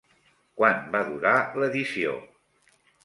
Quant va durar l'edició?